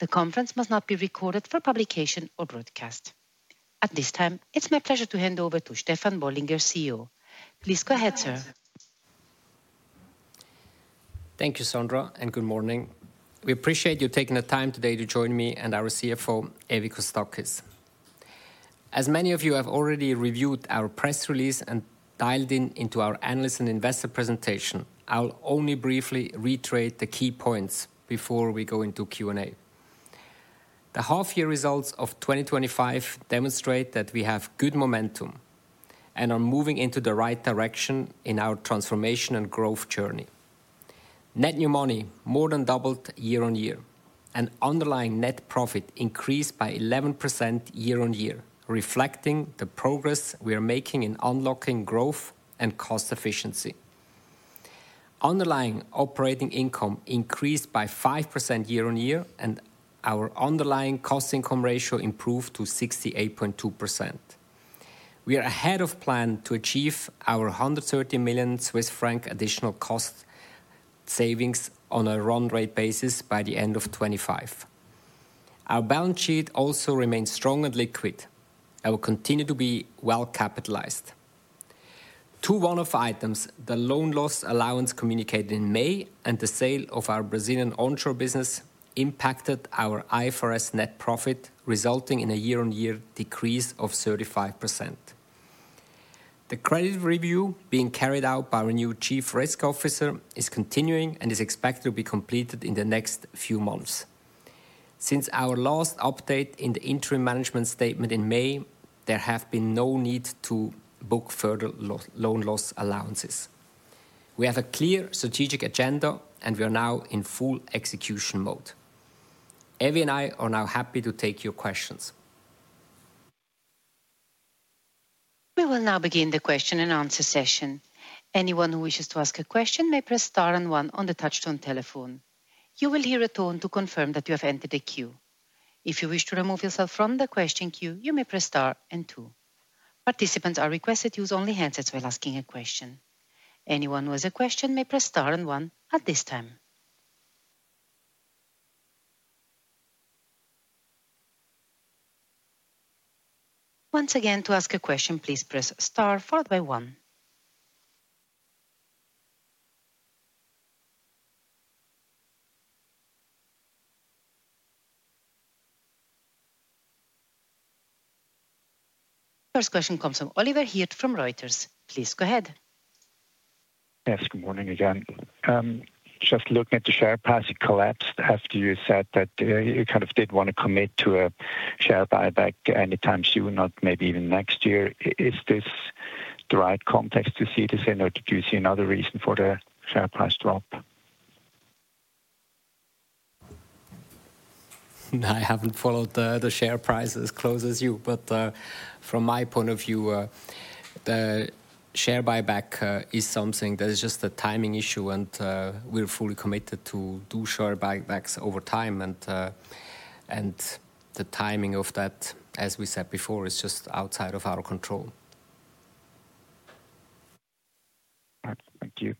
The conference must not be recorded for publication or broadcast. At this time, it's my pleasure to hand over to Stefan Bollinger, CEO. Please go ahead, sir. Thank you, Sandra, and good morning. We appreciate you taking the time today to join me and our CFO, Evie Kostakis. As many of you have already reviewed our press release and dialed in into our analyst and investor presentation, I'll only briefly reiterate the key points before we go into Q&A. The half-year results of 2025 demonstrate that we have good momentum and are moving into the right direction in our transformation and growth journey. Net new money more than doubled year-on-year, and underlying net profit increased by 11% year-on-year, reflecting the progress we are making in unlocking growth and cost efficiency. Underlying operating income increased by 5% year-on-year, and our underlying cost-income ratio improved to 68.2%. We are ahead of plan to achieve our 130 million Swiss franc additional cost savings on a run rate basis by the end of 2025. Our balance sheet also remains strong and liquid. It will continue to be well capitalized. Two one-off items: the loan loss allowance communicated in May and the sale of our Brazilian onshore business impacted our IFRS net profit, resulting in a year-on-year decrease of 35%. The credit review being carried out by our new Chief Risk Officer is continuing and is expected to be completed in the next few months. Since our last update in the interim management statement in May, there has been no need to book further loan loss allowances. We have a clear strategic agenda, and we are now in full execution mode. Evie and I are now happy to take your questions. We will now begin the question-and-answer session. Anyone who wishes to ask a question may press star and one on the touch-tone telephone. You will hear a tone to confirm that you have entered a queue. If you wish to remove yourself from the question queue, you may press star and two. Participants are requested to use only handsets when asking a question. Anyone who has a question may press star and one at this time. Once again, to ask a question, please press star followed by one. First question comes from Oliver Hiet from Reuters. Please go ahead. Yes, good morning again. Just looking at the share price collapse after you said that you kind of did not want to commit to a share buyback anytime soon, not maybe even next year. Is this the right context to see it, in order to see another reason for the share price drop? I haven't followed the share prices as close as you, but from my point of view, the share buyback is something that is just a timing issue, and we're fully committed to do share buybacks over time. The timing of that, as we said before, is just outside of our control. Thank you.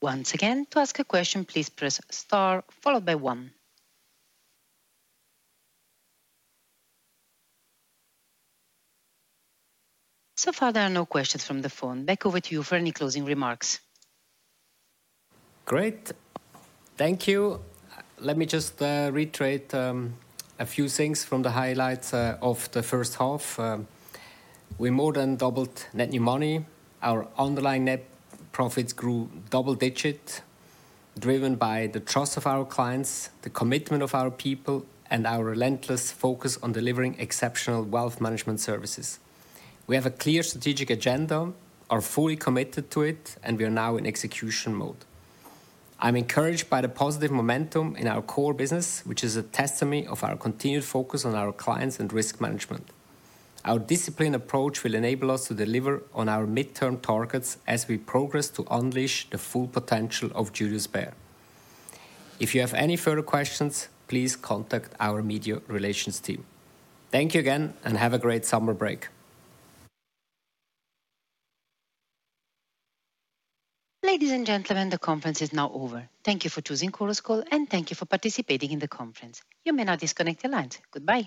Once again, to ask a question, please press star followed by one. So far, there are no questions from the phone. Back over to you for any closing remarks. Great. Thank you. Let me just reiterate a few things from the highlights of the first half. We more than doubled net new money. Our underlying net profits grew double-digit, driven by the trust of our clients, the commitment of our people, and our relentless focus on delivering exceptional wealth management services. We have a clear strategic agenda, are fully committed to it, and we are now in execution mode. I'm encouraged by the positive momentum in our core business, which is a testimony of our continued focus on our clients and risk management. Our disciplined approach will enable us to deliver on our midterm targets as we progress to unleash the full potential of Julius Bär. If you have any further questions, please contact our media relations team. Thank you again, and have a great summer break. Ladies and gentlemen, the conference is now over. Thank you for choosing Chorus Call, and thank you for participating in the conference. You may now disconnect your lines. Goodbye.